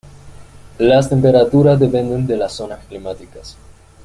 Las temperaturas dependen de las zonas climáticas.